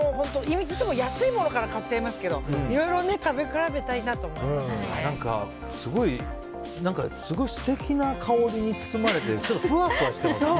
いつも安いものから買っちゃいますけどいろいろ食べ比べたいなと何かすごい素敵な香りに包まれてちょっとふわふわしてます。